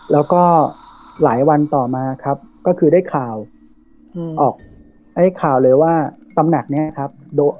แล้วก็หลายวันต่อมาครับก็คือได้ข่าวออกได้ข่าวเลยว่าตำหนักนี้ครับ